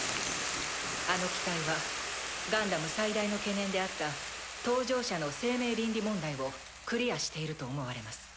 あの機体はガンダム最大の懸念であった搭乗者の生命倫理問題をクリアしていると思われます。